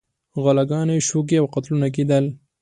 غلاګانې، شوکې او قتلونه کېدل.